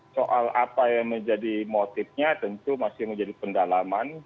soal apa yang menjadi motifnya tentu masih menjadi pendalaman